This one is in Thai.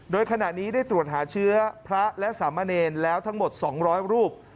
โดยขณะนี้ได้ตรวจหาเชื้อพระและสามเณรแล้วทั้งหมด๒๐๐รูป